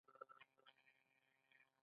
احمد او علي له یوې خټې څخه دي.